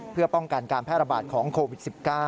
เพื่อป้องกันการแพร่ระบาดของโควิด๑๙